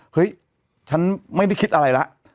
เฮ้ยฉันไม่ได้คิดอะไรแล้ว